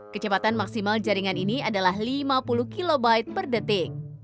kecepatan maksimal jaringan ini adalah lima puluh kb per detik